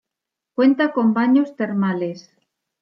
Cuenta con baños termales.